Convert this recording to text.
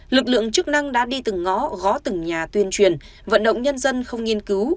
lực lượng chức năng đã đi từng ngõ gó từng nhà tuyên truyền vận động nhân dân không nghiên cứu